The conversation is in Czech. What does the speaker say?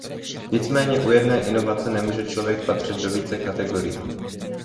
Nicméně u jedné inovace nemůže člověk patřit do více kategorií.